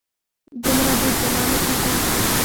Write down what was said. دومره بې ګناه مه کیږه